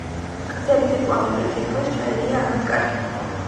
გრძელი სიტყვა მოკლედ ითქმის, შაირია ამად კარგი